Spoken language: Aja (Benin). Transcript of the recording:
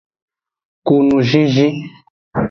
Ku nuzinzin.